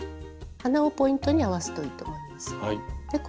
鼻をポイントに合わすといいと思います。